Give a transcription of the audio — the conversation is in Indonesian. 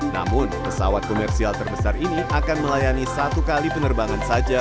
namun pesawat komersial terbesar ini akan melayani satu kali penerbangan saja